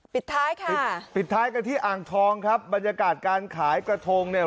ปิดท้ายค่ะปิดท้ายกันที่อ่างทองครับบรรยากาศการขายกระทงเนี่ย